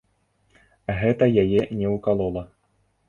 Гэта яе не ўкалола.